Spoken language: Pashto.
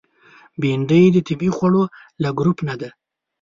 بېنډۍ د طبیعي خوړو له ګروپ نه ده